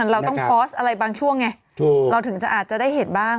เราต้องโพสต์อะไรบางช่วงไงเราถึงจะอาจจะได้เห็นบ้าง